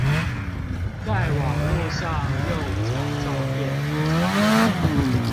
在網路上用假照片